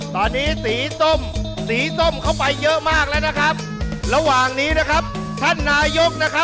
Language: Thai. ตอนนี้สีส้มเข้าไปเยอะมากแล้วระหว่างนี้ท่านนายก